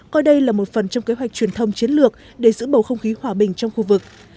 coi đây là một phần trong kế hoạch truyền thông chiến lược để giữ bầu không khí hòa bình trong khu vực